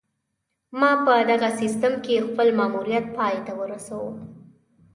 ما په دغه سیستم کې خپل ماموریت پای ته ورسوو